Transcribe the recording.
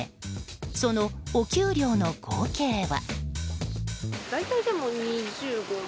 そのお給料の合計は。